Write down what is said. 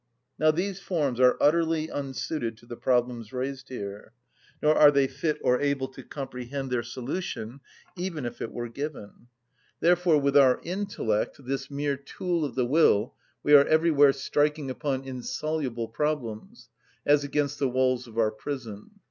Now these forms are utterly unsuited to the problems raised here, nor are they fit or able to comprehend their solution even if it were given. Therefore with our intellect, this mere tool of the will, we are everywhere striking upon insoluble problems, as against the walls of our prison.